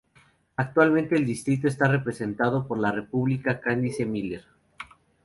Actualmente el distrito está representado por la Republicana Candice Miller.